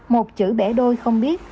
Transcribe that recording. một chữ bẻ đôi không biết